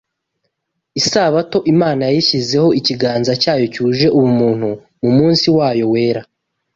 Isabato Imana yayishyizeho ikiganza cyayo cyuje ubuntu. Mu munsi wayo wera